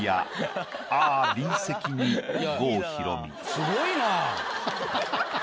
すごいな！